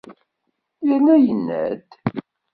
Yerna yenna-d.